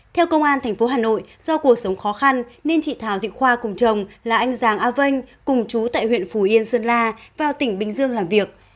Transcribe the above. theo công an tp hà nội do cuộc sống khó khăn nên chị thảo thị khoa cùng chồng là anh giàng a vanh cùng chú tại huyện phù yên sơn la vào tỉnh bình dương làm việc